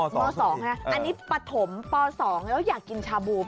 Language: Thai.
ม๒อันนี้ปฐมป๒แล้วอยากกินชาบู